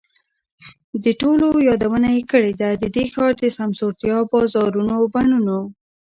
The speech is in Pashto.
د ټولو یادونه یې کړې ده، د دې ښار د سمسورتیا، بازارونو، بڼونو،